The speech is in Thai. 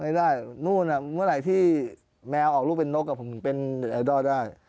ไม่ได้นั่นน่ะเมื่อไหร่ที่แมวออกลูกเป็นนกกับผมเป็นไอดอาร์ฟะถ้าได้